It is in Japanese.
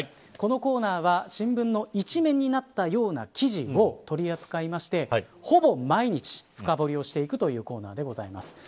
このコーナーは新聞の一面になったような記事を取り扱いましてほぼ毎日、深堀りをしていくというコーナーでございます。